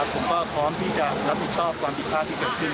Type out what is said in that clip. ผมก็พร้อมที่จะรับผิดชอบความผิดพลาดที่เกิดขึ้น